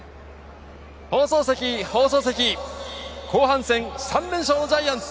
放送席、後半戦３連勝のジャイアンツ。